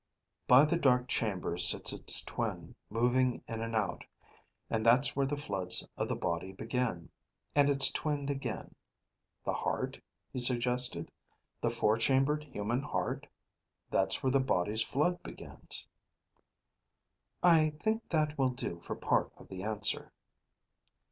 "By the dark chamber sits its twin, moving in and out; and that's where the floods of the body begin. And it's twinned again. The heart?" he suggested. "The four chambered human heart? That's where the body's flood begins." "I think that will do for part of the answer."